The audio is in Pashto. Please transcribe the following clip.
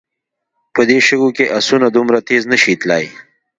په دې شګو کې آسونه دومره تېز نه شي تلای.